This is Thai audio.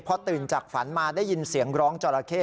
พอตื่นจากฝันมาได้ยินเสียงร้องจราเข้